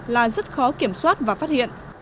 là rất khó kiểm soát và phát hiện